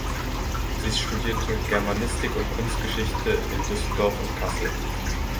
Sie studierte Germanistik und Kunstgeschichte in Düsseldorf und Kassel.